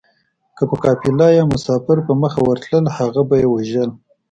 که به قافله يا مسافر په مخه ورتلل هغه به يې وژل